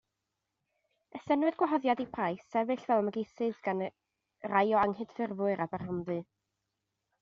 Estynnwyd gwahoddiad i Price sefyll fel ymgeisydd gan rai o anghydffurfwyr Aberhonddu.